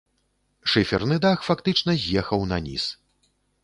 Шыферны дах фактычна з'ехаў наніз.